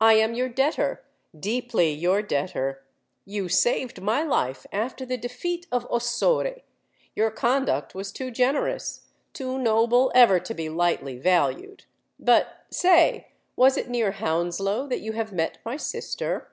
"I am your debtor—deeply your debtor. You saved my life after the defeat of Ossore: your conduct was too generous—too noble ever to be lightly valued. But, say—was it near Hounslow that you have met my sister?"